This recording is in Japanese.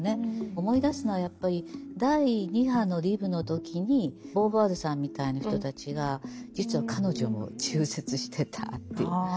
思い出すのはやっぱり第二波のリブの時にボーヴォワールさんみたいな人たちが実は彼女も中絶してたという。